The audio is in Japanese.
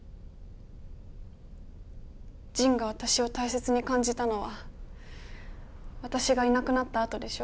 仁が私をたいせつに感じたのは私がいなくなったあとでしょ。